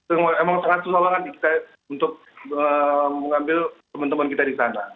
itu emang sangat susah banget untuk mengambil teman teman kita di sana